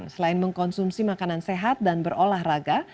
selain mengkonsumsi makanan sehat dan berolah raga